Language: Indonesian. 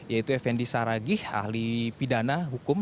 yaitu effendi saragih ahli pidana hukum